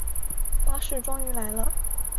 巴士终于来了